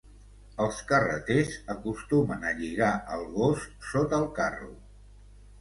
Els carreters acostumen a lligar el gos sota el carro.